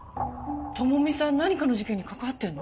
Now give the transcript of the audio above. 朋美さん何かの事件に関わってるの？